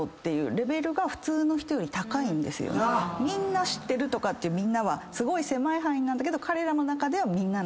「みんな知ってる」とかっていう「みんな」は狭い範囲なんだけど彼らの中では「みんな」なんです。